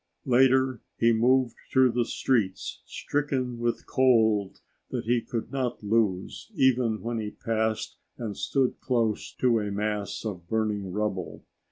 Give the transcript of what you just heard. Later, he moved through the streets stricken with cold that he could not lose even when he passed and stood close to a mass of burning rubble.